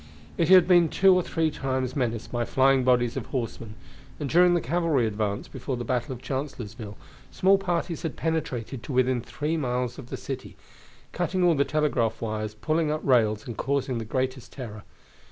It had been two or three times menaced by flying bodies of horsemen, and during the cavalry advance before the battle of Chancellorsville small parties had penetrated to within three miles of the city, cutting all the telegraph wires, pulling up rails, and causing the greatest terror.